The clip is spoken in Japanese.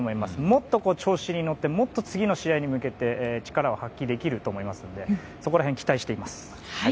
もっと調子に乗ってもっと次の試合に向けて力を発揮できると思いますのでそこら辺を期待しています。